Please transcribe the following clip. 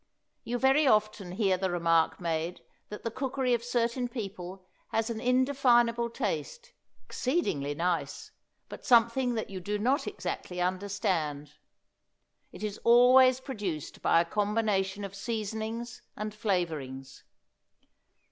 You very often hear the remark made that the cookery of certain people has an indefinable taste, exceedingly nice, but something that you do not exactly understand. It is always produced by a combination of seasonings and flavorings.